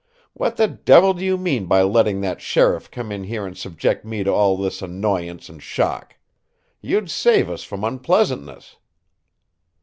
What the devil do you mean by letting that sheriff come in here and subject me to all this annoyance and shock? You'd save us from unpleasantness!"